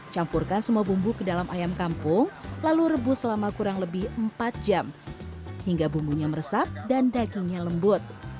campurkan semua bumbu ke dalam ayam kampung lalu rebus selama kurang lebih empat jam hingga bumbunya meresap dan dagingnya lembut